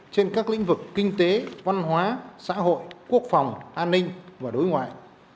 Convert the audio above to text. trên các lĩnh vực kinh tế văn hóa xã hội quốc phòng an ninh và đối ngoại